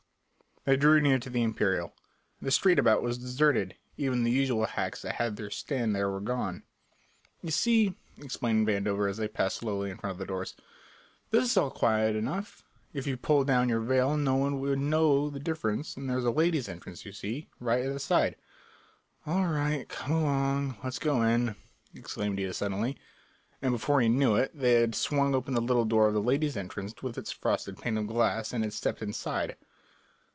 They drew near to the Imperial. The street about was deserted, even the usual hacks that had their stand there were gone. "You see," explained Vandover as they passed slowly in front of the doors, "this is all quiet enough. If you pulled down your veil no one would know the difference, and here's the ladies' entrance, you see, right at the side." "All right, come along, let's go in," exclaimed Ida suddenly, and before he knew it they had swung open the little door of the ladies' entrance with its frosted pane of glass and had stepped inside.